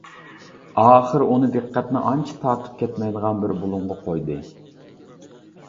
ئاخىر ئۇنى دىققەتنى ئانچە تارتىپ كەتمەيدىغان بىر بۇلۇڭغا قويدى.